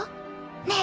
ねえ